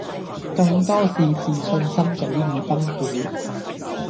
更多是自信心早已崩潰